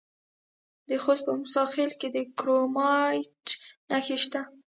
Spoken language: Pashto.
د خوست په موسی خیل کې د کرومایټ نښې شته.